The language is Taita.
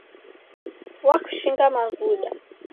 Wakushinga mavuda